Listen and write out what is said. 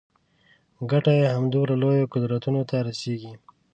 ګټه یې همدوی لویو قدرتونو ته رسېږي.